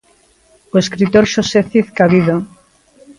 O escritor Xosé Cid Cabido.